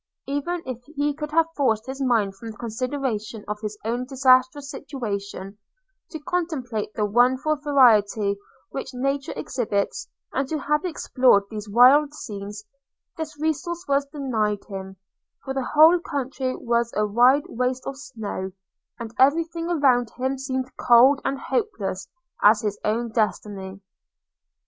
Even if he could have forced his mind from the consideration of his own disastrous situation, to contemplate the wonderful variety which Nature exhibits, and to have explored these wild scenes, this resource was denied him; for the whole country was a wide waste of snow, and every thing around him seemed cold and hopeless as his own destiny.